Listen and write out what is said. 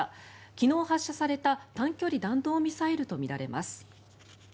昨日発射された短距離弾道ミサイルとみられます。